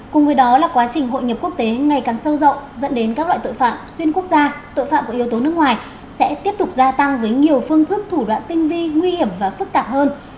cùng với đó là quá trình hội nhập quốc tế ngày càng sâu rộng dẫn đến các loại tội phạm xuyên quốc gia tội phạm của yếu tố nước ngoài sẽ tiếp tục gia tăng với nhiều phương thức thủ đoạn tinh vi nguy hiểm và phức tạp hơn